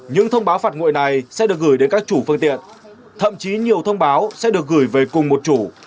các loại này sẽ được gửi đến các chủ phương tiện thậm chí nhiều thông báo sẽ được gửi về cùng một chủ